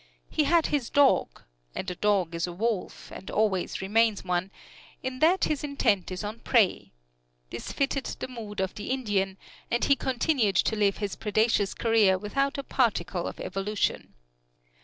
He had his dog, and the dog is a wolf, and always remains one, in that his intent is on prey. This fitted the mood of the Indian, and he continued to live his predaceous career without a particle of evolution.